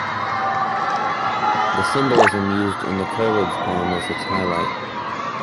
The symbolism used in the Coleridge poem is its highlight.